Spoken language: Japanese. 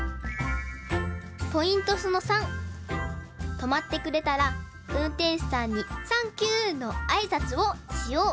とまってくれたらうんてんしゅさんに「サンキュー！」のあいさつをしよう！